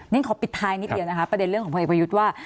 นี่ขอปิดท้ายนิดเดียวนะคะประเด็นเรื่องของพลเอกประยุทธ์ว่า